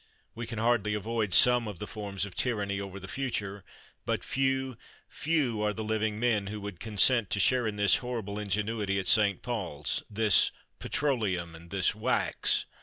We can hardly avoid some of the forms of tyranny over the future, but few, few are the living men who would consent to share in this horrible ingenuity at St Paul's this petroleum and this wax.